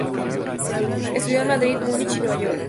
Estudió en Madrid, Munich y Nueva York.